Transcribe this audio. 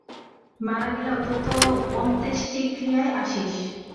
মারা গেলে অন্তত অন্ত্যেষ্টিক্রিয়ায় আসিস।